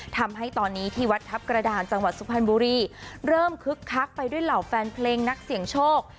ทำให้ตอนนี้ที่วัดทัพกระดานจังหวัดสุพรรณบุรีเริ่มคึกคักไปด้วยเหล่าแฟนเพลงนักเสี่ยงโชค